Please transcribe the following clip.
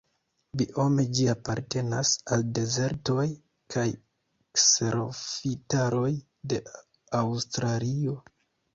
Biome ĝi apartenas al dezertoj kaj kserofitaroj de Aŭstralio.